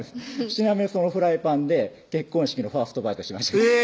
ちなみにそのフライパンで結婚式のファーストバイトしましたえぇ！